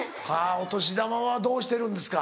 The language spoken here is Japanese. お年玉はどうしてるんですか？